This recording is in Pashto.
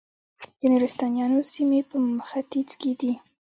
د نورستانیانو سیمې په ختیځ کې دي